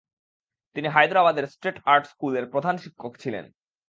তিনি হায়দ্রাবাদের 'state art স্কুল'-এর প্রধানশিক্ষক ছিলেন।